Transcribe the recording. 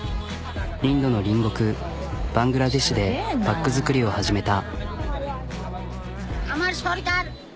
インドの隣国バングラデシュでバッグ作りを始めた。